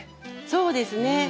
そうですね。